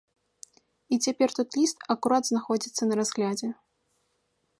І цяпер той ліст акурат знаходзіцца на разглядзе.